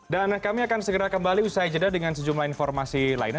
dan kami akan segera kembali usai jeda dengan sejumlah informasi lainnya